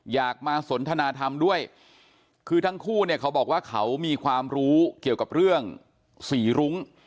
อยากมาสนทนาธรรมด้วยคือทั้งคู่เนี่ยเขาบอกว่าเขามีความรู้เกี่ยวกับเรื่องสีรุ้ง